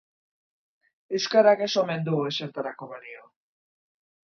Euskarak ez omen du ezertarako balio.